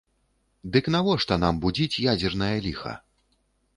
Дык навошта нам будзіць ядзернае ліха?